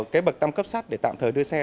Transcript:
cái bậc tăm cấp sắt để tạm thời đưa xe